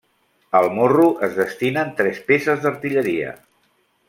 Al morro es destinen tres peces d'artilleria.